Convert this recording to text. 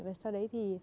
và sau đấy thì